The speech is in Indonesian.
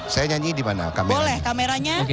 saya nyanyi dimana boleh kameranya